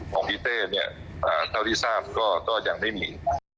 ของพี่เต้เนี่ยเท่าที่ทราบก็ยังไม่มี